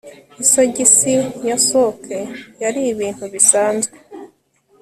Isogisi ya sock yari ibintu bisanzwe